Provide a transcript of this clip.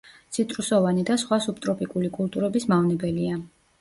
ციტრუსოვანი და სხვა სუბტროპიკული კულტურების მავნებელია.